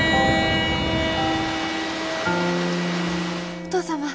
お義父様。